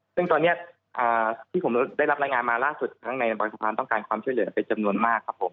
ซึ่งตอนนี้ที่ผมได้รับรายงานมาล่าสุดทั้งในบางสะพานต้องการความช่วยเหลือเป็นจำนวนมากครับผม